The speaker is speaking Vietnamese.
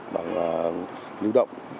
bằng lưu động